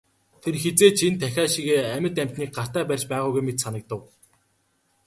Тэр хэзээ ч энэ тахиа шигээ амьд амьтныг гартаа барьж байгаагүй мэт санав.